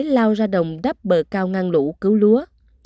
lao ra đồng đắp bờ cao ngăn lũ cứu lúa